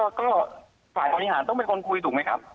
ก็ฝ่ายบริหารต้องเป็นคนคุยถูกไหมครับ